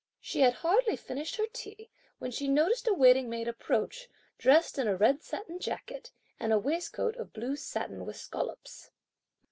She had hardly finished her tea, when she noticed a waiting maid approach, dressed in a red satin jacket, and a waistcoat of blue satin with scollops.